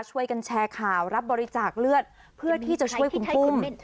ช่วยกันแชร์ข่าวรับบริจาคเลือดเพื่อที่จะช่วยคุณปุ้ม